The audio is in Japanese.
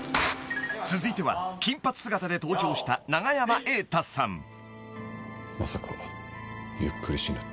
［続いては金髪姿で登場した永山瑛太さん］